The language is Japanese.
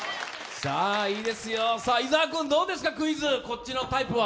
伊沢君どうですか、クイズこっちのタイプは。